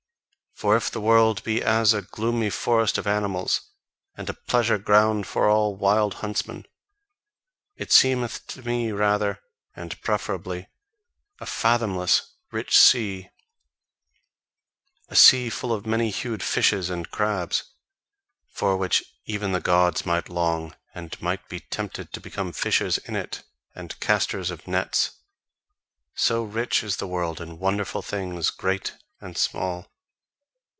For if the world be as a gloomy forest of animals, and a pleasure ground for all wild huntsmen, it seemeth to me rather and preferably a fathomless, rich sea; A sea full of many hued fishes and crabs, for which even the Gods might long, and might be tempted to become fishers in it, and casters of nets, so rich is the world in wonderful things, great and small!